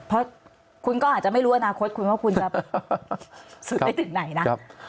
เพราะคุณก็อาจจะไม่รู้อนาคตคุณว่าคุณจะสืบไปถึงไหนนะ